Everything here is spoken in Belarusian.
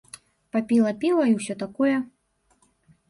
Папіла піва і ўсё такое.